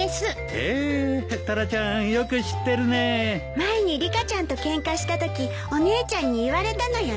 前にリカちゃんとケンカしたときお姉ちゃんに言われたのよね。